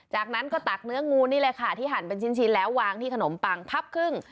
จากนั้นก็ตักเนื้องูนี่แหละค่ะที่หั่นเป็นชิ้นแล้ววางที่ขนมปังพับครึ่ง